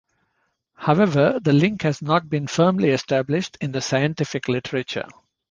However, the link has not been firmly established in the scientific literature.